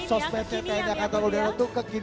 sosmednya tni angkatan udara tuh kekinian